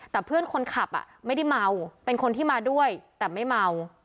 แต่เพื่อนคนขับไม่ได้เมาเป็นคนที่มาด้วยแต่ไม่เมา